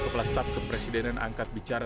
kepala staf kepresidenan angkat bicara